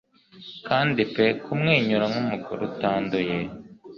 Kandi pe kumwenyura nkumugore utanduye